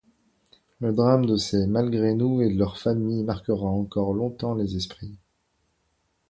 Le drame de ces Malgré-nous et de leurs familles marquera encore longtemps les esprits.